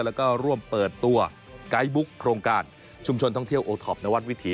แล้วก็ร่วมเปิดตัวไกด์บุ๊กโครงการชุมชนท่องเที่ยวโอท็อปนวัดวิถี